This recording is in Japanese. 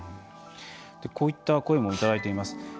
こういった声もいただいています。